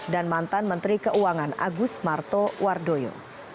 dan mantan menteri keuangan agus marto wardoyo